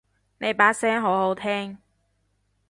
你把聲好好聽